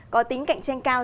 có tính cạnh tranh cao